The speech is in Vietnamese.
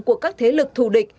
của các thế lực thù địch